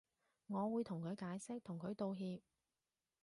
我會同佢解釋同佢道歉